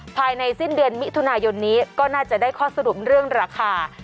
ภายในสิ้นเดือนมิถุนายนนี้ก็น่าจะได้ข้อสรุปเรื่องราคา